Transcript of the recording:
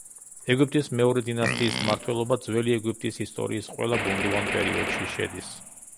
ეგვიპტის მეორე დინასტიის მმართველობა ძველი ეგვიპტის ისტორიის ყველა ბუნდოვან პერიოდში შედის.